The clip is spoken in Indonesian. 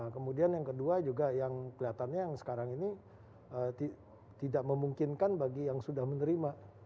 kemudian yang kedua juga yang kelihatannya yang sekarang ini tidak memungkinkan bagi yang sudah menerima